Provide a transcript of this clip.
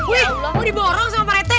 wah diborong sama pak rete